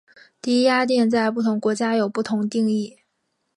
低压电在不同国家有不同定义。